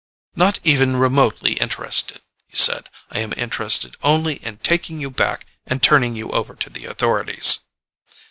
"Not even remotely interested," he said. "I am interested only in taking you back and turning you over to the authorities."